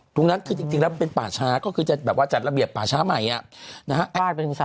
ตรงนั้นคือจริงแล้วเป็นป่าช้าก็คือจะแบบว่าจัดระเบียบป่าช้าใหม่นะฮะ